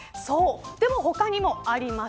他にもあります。